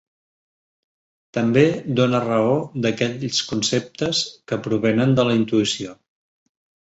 També dóna raó d'aquells conceptes que provenen de la intuïció.